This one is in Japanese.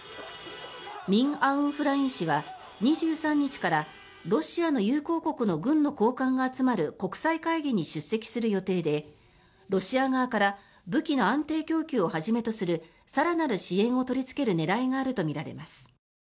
ミン・アウン・フライン氏は２３日からロシアの友好国の軍の高官が集まる国際会議に出席する予定でロシア側から武器の安定供給をはじめとする更なる支援を取りつける狙いがあるとみられます。